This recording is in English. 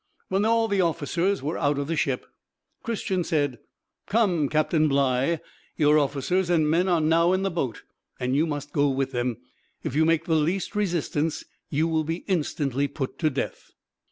When all the officers were out of the ship, Christian said, "Come, Captain Bligh, your officers and men are now in the boat, and you must go with them; if you make the least resistance you will be instantly put to death."